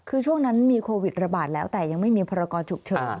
คือช่วงนั้นมีโควิดระบาดแล้วแต่ยังไม่มีพรกรฉุกเฉิน